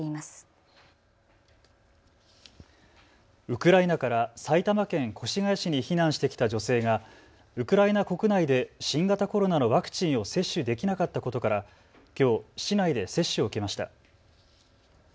ウクライナから埼玉県越谷市に避難してきた女性がウクライナ国内で新型コロナのワクチンを接種できなかったことからきょう市内で接種を受けました。